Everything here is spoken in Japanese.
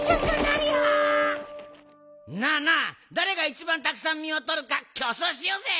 なあなあだれがいちばんたくさんみをとるかきょうそうしようぜ！